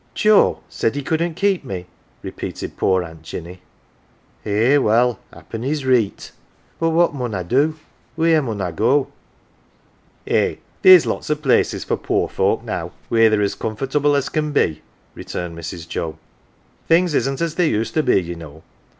"Joe said he couldn't keep me?" repeated poor Aunt Jinny. " Eh, well happen he's reet. But what mun I do ? wheere mun I go ?"" Eh, theer's lots o' places for poor folk, now, wheer they're as comfortable as can be," returned Mrs. Joe. "Things isn't as they used to be, ye know.